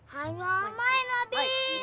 hanya main abis